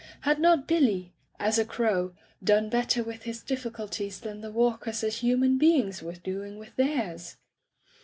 Had not Billy— as a fcrow— done better with his difficulties than the Walkers as human beings were doing with theirs?